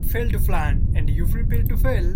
Fail to plan, and you Prepare to fail.